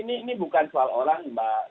ini bukan soal orang mbak